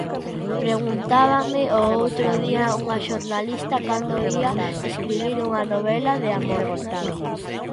Preguntábame o outro día unha xornalista cando ía escribir unha novela de amor.